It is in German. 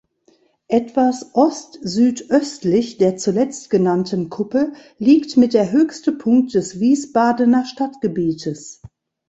Etwas ostsüdöstlich der zuletzt genannten Kuppe liegt mit der höchste Punkt des Wiesbadener Stadtgebietes.